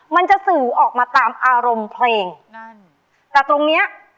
มันจะสื่อออกมาตามอารมณ์เพลงนั่นแต่ตรงเนี้ย